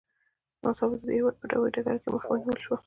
ناڅاپه د دې هېواد په هوايي ډګر کې مخه ونیول شوه.